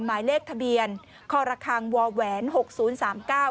หมายเลขทะเบียนคอรคังวอแหวนหกศูนย์สามเก้า